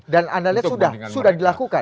dan anda lihat sudah dilakukan